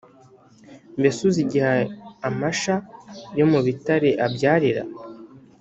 mbese uzi igihe amasha yo mu bitare abyarira ?